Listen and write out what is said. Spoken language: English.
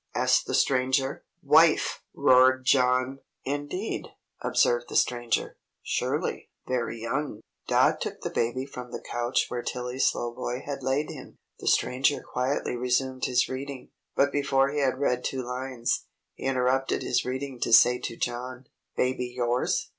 asked the Stranger. "Wife," roared John. "Indeed?" observed the Stranger. "Surely very young!" Dot took the baby from the couch where Tilly Slowboy had laid him. The Stranger quietly resumed his reading; but before he had read two lines, he interrupted his reading to say to John: "Baby yours?"